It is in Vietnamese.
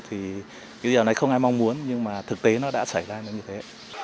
thì bây giờ này không ai mong muốn nhưng mà thực tế nó đã xảy ra như thế